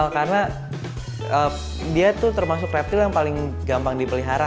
karena dia itu termasuk reptil yang paling gampang dipelihara